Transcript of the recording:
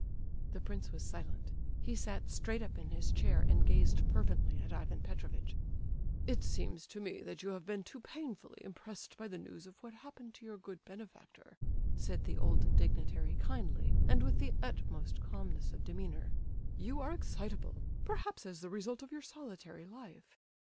The prince was silent. He sat straight up in his chair and gazed fervently at Ivan Petrovitch. "It seems to me that you have been too painfully impressed by the news of what happened to your good benefactor," said the old dignitary, kindly, and with the utmost calmness of demeanour. "You are excitable, perhaps as the result of your solitary life.